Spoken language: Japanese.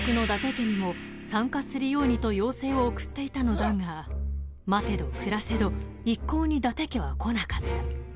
家にも参加するようにと要請を送っていたのだが待てど暮らせど一向に伊達家は来なかった］